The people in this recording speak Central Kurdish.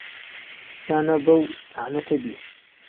یا نه بهو لهعنهته بی